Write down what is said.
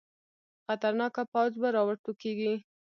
خطرناکه پوځ به راوټوکېږي.